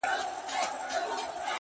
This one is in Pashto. يوولس مياشتې يې پوره ماته ژړله _